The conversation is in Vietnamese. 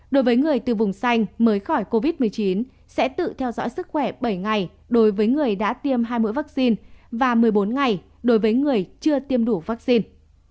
đối với người từ vùng xanh mới khỏi covid một mươi chín sẽ tự theo dõi sức khỏe bảy ngày đối với người đã tiêm hai mũi vaccine và một mươi bốn ngày đối với người chưa tiêm đủ vaccine